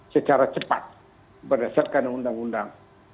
secara cepat berdasarkan undang undang